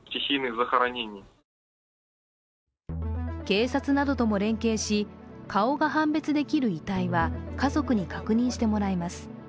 警察などとも連携し、顔が判別できる遺体は家族に確認してもらいます。